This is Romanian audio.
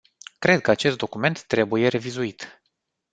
Cred că acest document trebuie revizuit.